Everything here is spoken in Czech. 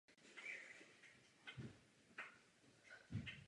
Efektivní délku nelze prakticky dost přesně určit.